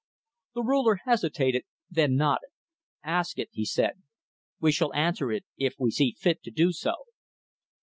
The Ruler hesitated, then nodded. "Ask it," he said. "We shall answer it if we see fit to do so."